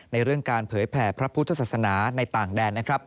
เรื่องการเผยแผ่พระพุทธศาสนาในต่างแดนนะครับ